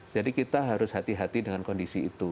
jadi kita harus hati hati dengan kondisi itu